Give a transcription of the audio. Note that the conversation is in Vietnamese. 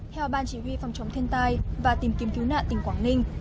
theo ban chỉ huy phòng chống thiên tai và tìm kiếm cứu nạn tỉnh quảng ninh